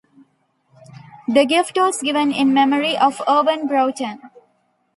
The gift was given in memory of Urban Broughton.